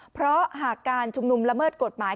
เพราะหากการชุมนุมละเมิดกฎหมาย